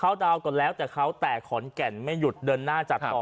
เขาดาวน์ก่อนแล้วแต่เขาแต่ขอนแก่นไม่หยุดเดินหน้าจัดต่อ